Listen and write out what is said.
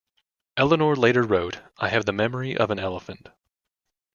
Eleanor later wrote, I have the memory of an elephant.